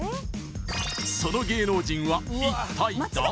その芸能人は一体誰？